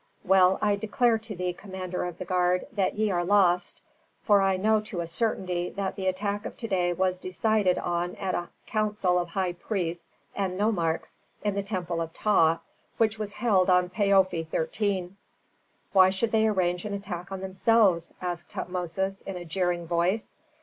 "Well, I declare to thee, commander of the guard, that ye are lost, for I know to a certainty that the attack of to day was decided on at a council of high priests and nomarchs in the temple of Ptah, which was held on Paofi 13." "Why should they arrange an attack on themselves?" asked Tutmosis in a jeering voice.